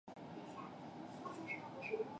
然后玛琦听到楼下传来有打嗝声。